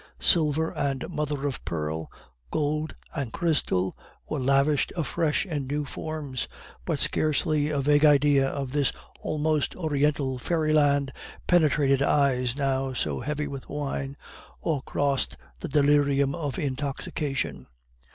Silver and mother of pearl, gold and crystal, were lavished afresh in new forms; but scarcely a vague idea of this almost Oriental fairyland penetrated eyes now heavy with wine, or crossed the delirium of intoxication.